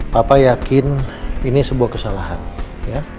papa yakin ini sebuah kesalahan ya